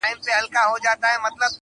پر امیر باندي هغه ګړی قیامت سو٫